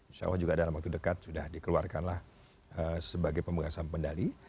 insya allah juga dalam waktu dekat sudah dikeluarkanlah sebagai pemegang saham pengendali